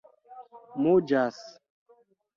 muĝas